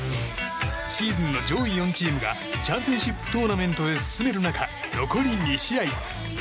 シーズンの上位４チームがチャンピオンシップトーナメントへ進める中残り２試合。